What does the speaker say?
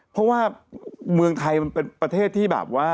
เพราะว่าเมืองไทยมันเป็นประเทศที่แบบว่า